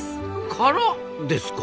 殻ですか？